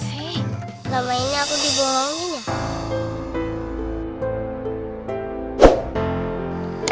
eh lama ini aku dibolongin ya